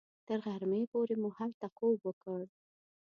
تر غرمې پورې مو هلته خوب وکړ.